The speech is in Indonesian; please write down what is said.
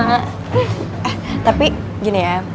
eh tapi gini ya